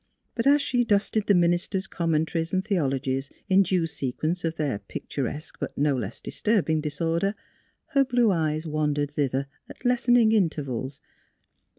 But as she dusted the minister's commen taries and theologies in due sequence of their picturesque but no less disturbing disorder, her blue eyes wandered thither at lessening intervals.